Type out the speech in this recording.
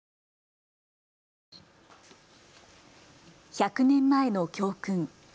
１００年前の教訓。